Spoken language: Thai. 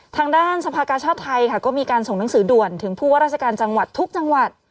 ทางด้านสภากาชาติไทยค่ะก็มีการส่งหนังสือด่วนถึงผู้ว่าราชการจังหวัดทุกจังหวัด